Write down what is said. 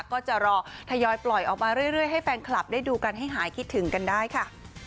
ก็จะรอทยอยปล่อยออกมาเรื่อยให้แฟนคลับได้ดูกันให้หายคิดถึงกันได้ค่ะ